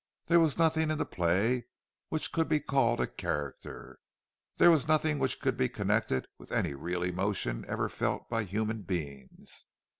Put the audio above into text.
There was nothing in the play which could be called a character—there was nothing which could be connected with any real emotion ever felt by human beings.